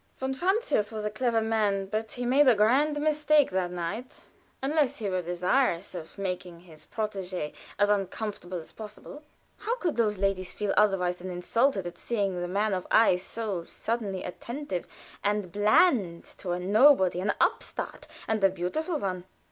Von Francius was a clever man, but he made a grand mistake that night, unless he were desirous of making his protégée as uncomfortable as possible. How could those ladies feel otherwise than insulted at seeing the man of ice so suddenly attentive and bland to a nobody, an upstart, and a beautiful one?